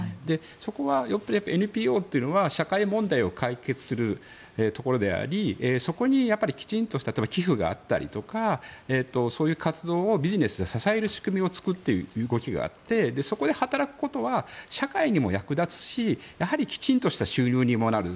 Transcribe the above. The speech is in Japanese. そこはＮＰＯというのは社会問題を解決するところでありそこにきちんとした例えば、寄付があったりとかそういう活動をビジネスで支える仕組みを作るっていう動きがあってそこで働くことは社会にも役立つしきちんとした収入にもなる。